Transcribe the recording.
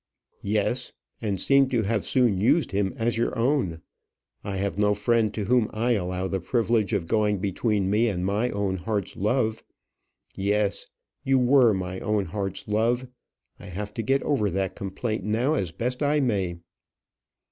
"Yes, and seem to have soon used him as your own. I have no friend to whom I allow the privilege of going between me and my own heart's love. Yes, you were my own heart's love. I have to get over that complaint now as best I may."